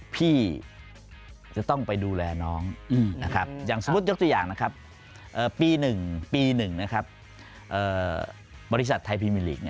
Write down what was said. พี่จะต้องไปดูแลน้องสมมติยกตัวอย่างปี๑บริษัทไทยพีมีลิก